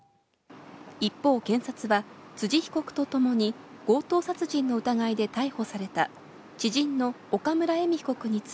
一方検察は、辻被告と共に強盗殺人の疑いで逮捕された知人の岡村恵美被告につ